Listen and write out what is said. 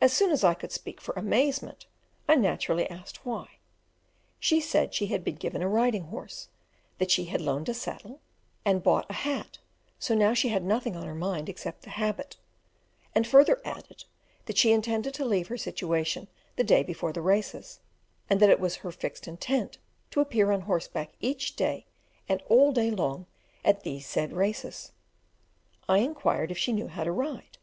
As soon as I could speak for amazement, I naturally asked why; she said she had been given a riding horse, that she had loaned a saddle, and bought a hat, so now she had nothing on her mind except the habit; and further added, that she intended to leave her situation the day before the races, and that it was "her fixed intent" to appear on horseback each day, and all day long, at these said races. I inquired if she knew how to ride?